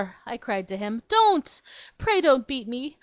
I cried to him. 'Don't! Pray don't beat me!